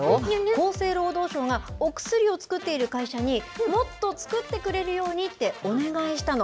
厚生労働省がお薬を作っている会社にもっと作ってくれるようにってお願いしたの。